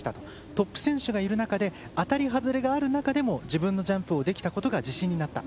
トップ選手がいる中で当たり外れがある中でも自分のジャンプをできたことが自信になった。